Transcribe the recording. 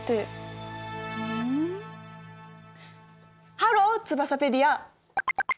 ハローツバサペディア！